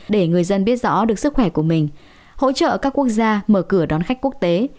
để người dân biết rõ được sức khỏe của mình hỗ trợ các quốc gia mở cửa đón khách quốc tế